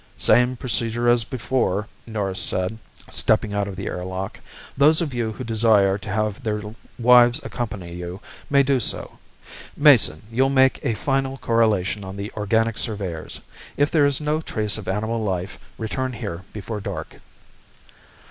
"Same procedure as before," Norris said, stepping out of the airlock. "Those of you who desire to have their wives accompany you may do so. Mason, you'll make a final correlation on the organic surveyors. If there is no trace of animal life return here before dark."